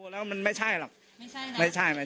แล้วสงผมมันก็ไม่ใช่